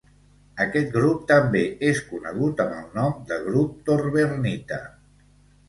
Aquest grup també és conegut amb el nom de grup torbernita.